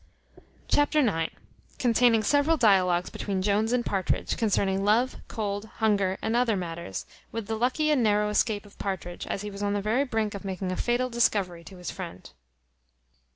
Chapter ix. Containing several dialogues between Jones and Partridge, concerning love, cold, hunger, and other matters; with the lucky and narrow escape of Partridge, as he was on the very brink of making a fatal discovery to his friend.